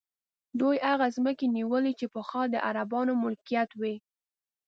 دوی هغه ځمکې نیولي چې پخوا د عربانو ملکیت وې.